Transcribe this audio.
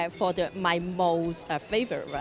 tapi untuk yang paling favorit saya